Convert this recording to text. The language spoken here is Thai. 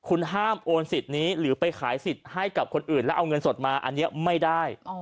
คุณห้ามโอนสิทธิ์นี้หรือไปขายสิทธิ์ให้กับคนอื่นแล้วเอาเงินสดมาอันนี้ไม่ได้